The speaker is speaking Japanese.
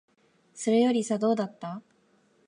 それよりさ、どうだった？